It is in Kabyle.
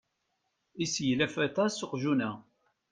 Iseglaf aṭas uqjun-a.